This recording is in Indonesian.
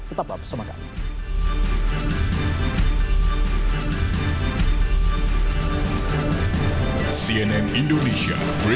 tetap bersama kami